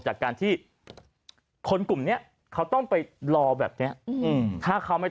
จากการที่คนกลุ่มนี้เขาต้องไปรอแบบเนี้ยอืมถ้าเขาไม่